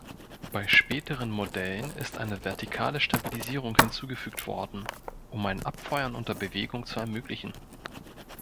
Bei späteren Modellen ist eine vertikale Stabilisierung hinzugefügt worden, um ein Abfeuern unter Bewegung zu ermöglichen.